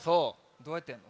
どうやってやるの？